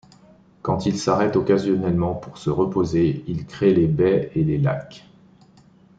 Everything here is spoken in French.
Quand il s'arrête occasionnellement pour se reposer, il crée les baies et les lacs.